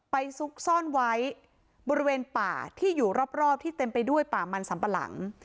ซุกซ่อนไว้บริเวณป่าที่อยู่รอบที่เต็มไปด้วยป่ามันสัมปะหลัง